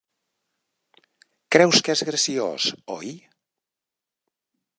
Creus que és graciós, oi?